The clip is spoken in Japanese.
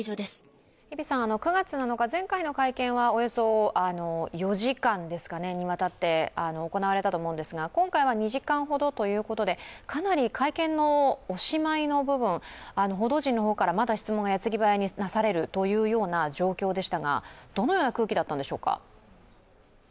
９月７日、前回の会見はおよそ４時間にわたって行われたと思うんですが、今回は２時間ほどということでかなり会見のおしまいの部分、報道陣の方から質問が矢継ぎ早に出されるという状況だったんですがどのような空気だったんでしょうか？